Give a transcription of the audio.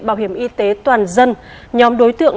bảo hiểm y tế toàn dân nhóm đối tượng